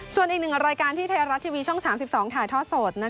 ส่วนอีกหนึ่งรายการที่ไทยรัฐทีวีช่อง๓๒ถ่ายทอดสด